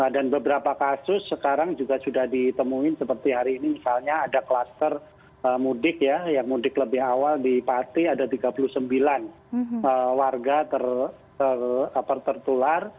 dan beberapa kasus sekarang juga sudah ditemuin seperti hari ini misalnya ada kluster mudik ya yang mudik lebih awal di pati ada tiga puluh sembilan warga tertular